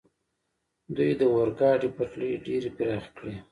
دوی د اورګاډي پټلۍ ډېرې پراخې کړې.